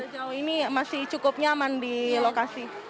jauh jauh ini masih cukup nyaman di lokasi